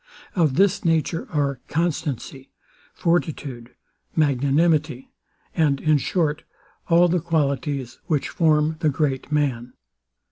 Of this nature are constancy, fortitude, magnanimity; and, in short, all the qualities which form the great man.